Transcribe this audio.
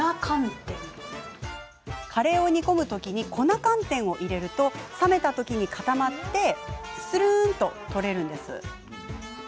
カレーを煮込む時に粉寒天を入れると冷めた時に固まってするんと取れるんですよね。